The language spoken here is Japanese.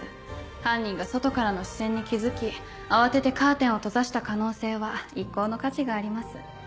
犯人が外からの視線に気付き慌ててカーテンを閉ざした可能性は一考の価値があります。